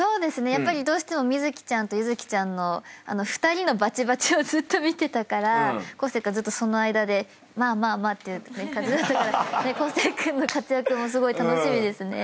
やっぱりどうしても美月ちゃんと優月ちゃんの２人のバチバチをずっと見てたから恒惺君はずっとその間で「まあまあまあ」っていう感じだったから恒惺君の活躍もすごい楽しみですね。